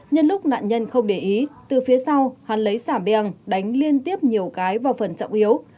nhân lúc nạn nhân không để ý từ phía sau hắn lấy xả beng đánh liên tiếp nhiều cái vào phần trọng yếu